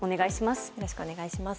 よろしくお願いします。